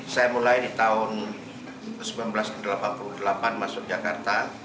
saya mulai di tahun seribu sembilan ratus delapan puluh delapan masuk jakarta